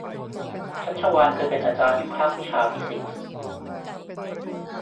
ชัชวาลเคยเป็นอาจารย์อยู่ภาควิชาฟิสิกส์